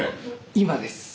今です。